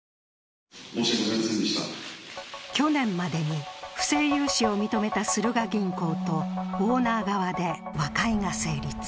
去年までに不正融資を認めたスルガ銀行とオーナー側で和解が成立。